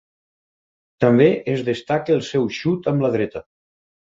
També es destaca el seu xut amb la dreta.